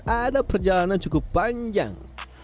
ada perjalanan cukup panjang